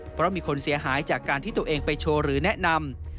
เพราะมีคนเสียหายจากการที่ตัวเองไปโชว์หรือแนะนำ